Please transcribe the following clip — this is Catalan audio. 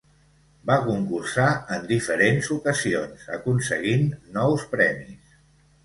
Va concursar en diferents ocasions, aconseguint nous premis.